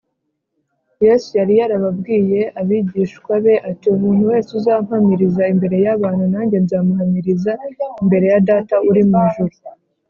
yesu yari yarabwiye abigishwa be ati, “umuntu wese uzampamiriza imbere y’abantu, nanjye nzamuhamiriza imbere ya data uri mu ijuru”